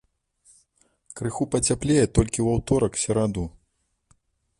Крыху пацяплее толькі ў аўторак-сераду.